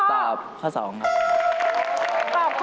ตอบข้อ๒ครับ